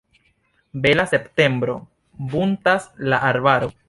Bela septembro - buntas la arbaro.